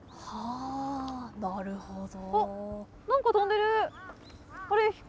なるほど。